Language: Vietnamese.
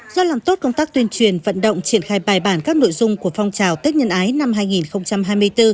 do làm tốt công tác tuyên truyền vận động triển khai bài bản các nội dung của phong trào tết nhân ái năm hai nghìn hai mươi bốn